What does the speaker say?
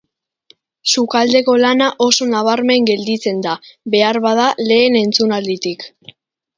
Sukaldeko lana oso nabarmen gelditzen da, beharbada, lehen entzunalditik.